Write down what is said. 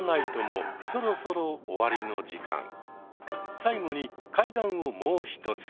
最後に怪談をもう一つ。